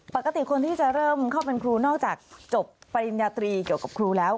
ปกติคนที่จะเริ่มเข้าเป็นครูนอกจากจบปริญญาตรีเกี่ยวกับครูแล้ว